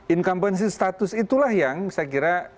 incumbency status itulah yang saya kira